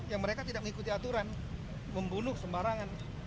yang mereka tidak mengikuti aturan membunuh sembarangan